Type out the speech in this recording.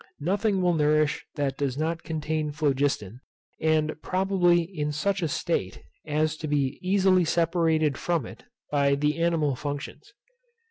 Nothing will nourish that does not contain phlogiston, and probably in such a state as to be easily separated from it by the animal functions.